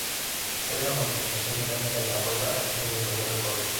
Hay una multiplicación mecánica de la fuerza a cambio de mayor recorrido.